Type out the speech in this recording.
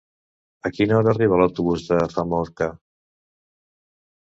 A quina hora arriba l'autobús de Famorca?